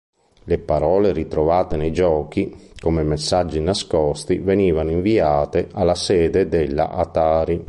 Le parole ritrovate nei giochi come messaggi nascosti venivano inviate alla sede della Atari.